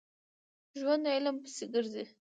ژوندي علم پسې ګرځي